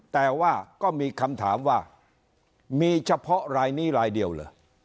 แต่ว่าก็มีคำถามว่ามีเฉพาะรายนี้รายเดียวเหรอ